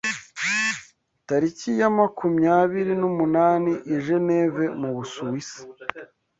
Tariki ya makumyabiri numunani I Genève mu Busuwisi